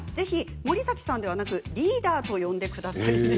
森崎さんではなくリーダーと呼んでくださいと。